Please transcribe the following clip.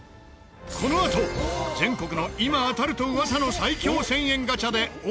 このあと全国の今当たると噂の最強１０００円ガチャで大当たりが連発！